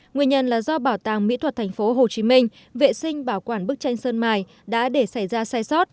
nguyên nhân là do bảo tàng mỹ thuật tp hcm vệ sinh bảo quản bức tranh sơn mài đã để xảy ra sai sót